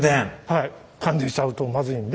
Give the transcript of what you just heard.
はい感電しちゃうとまずいんで。